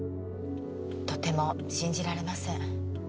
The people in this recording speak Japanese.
とても信じられません。